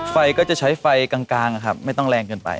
ไฟก็จะใช้ไฟกลางนะครับไม่ต้องแรงเกินไป